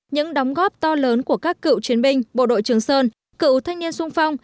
những đóng góp to lớn của các cựu chiến binh bộ đội trường sơn cựu thanh niên sung phong